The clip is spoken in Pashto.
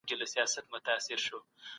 بنده باید د خدای د حکمونو پيروي وکړي.